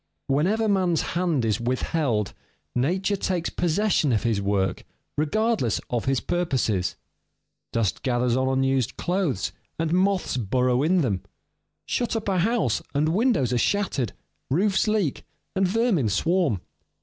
Whenever man's hand is withheld, nature takes possession of his work, regardless of his purposes. Dust gathers on unused clothes, and moths burrow in them. Shut up a house, and windows are shattered, roofs leak, and vermin swarm.